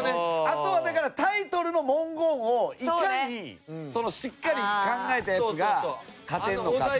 あとはだからタイトルの文言をいかにしっかり考えたヤツが勝てんのかっていう。